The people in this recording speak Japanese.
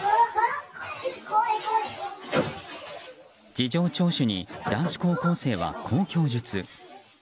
事情聴取に男子高校生はこう供述。